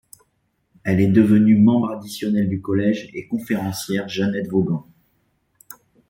Elle est devenue membre additionnelle du collège et conférencière Janet Vaughan.